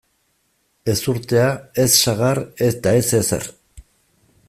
Ezurtea, ez sagar eta ez ezer.